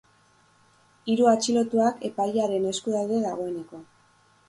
Hiru atxilotuak epailearen esku daude dagoeneko.